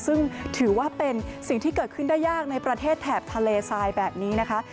ซึ่งถือว่าเป็นสิ่งที่เกิดขึ้นได้ยากในประเทศแถบทะเลทรายแบบนี้นะคะ